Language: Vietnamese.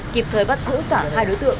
kịp thời bắt giữ cả hai đối tượng